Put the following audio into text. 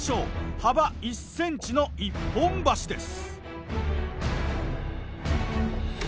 幅１ｃｍの一本橋です。